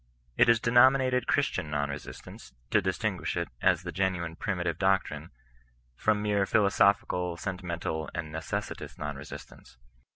It is denominated Chris tian non resistance, to distinguish it, as the genuine primitive doctrine, from mere philosophical, sentimental, and n^e^iVot^ non resistance.